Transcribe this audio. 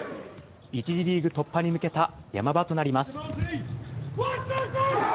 １次リーグ突破に向けたヤマ場となります。